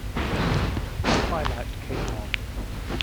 Twilight came on.